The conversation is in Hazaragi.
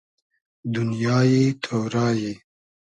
دونیای تۉرای